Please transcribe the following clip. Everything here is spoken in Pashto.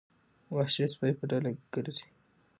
وحشي سپي په ډله ګرځي.